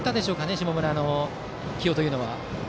下村の起用というのは。